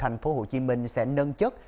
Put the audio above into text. tp hcm sẽ nâng chất